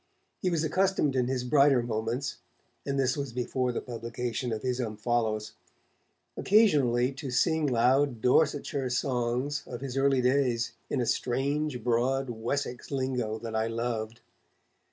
He was accustomed in his brighter moments and this was before the publication of his 'Omphalos' occasionally to sing loud Dorsetshire songs of his early days, in a strange, broad Wessex lingo that I loved.